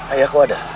ayah kok ada